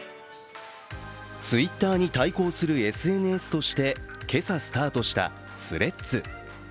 Ｔｗｉｔｔｅｒに対抗するＳＮＳとして今朝スタートしたＴｈｒｅａｄｓ。